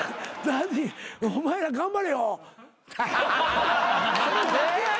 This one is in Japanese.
お前ら頑張れよ。